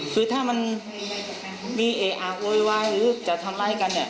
คือถ้ามันมีเออร์โอ้ยวายหรือจะทำไรกัน